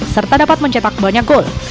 serta dapat mencetak banyak gol